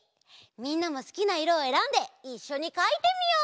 みんなもすきないろをえらんでいっしょにかいてみよう！